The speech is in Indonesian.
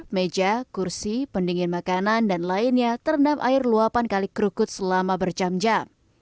meja kursi pendingin makanan dan lainnya terendam air luapan kali kerukut selama berjam jam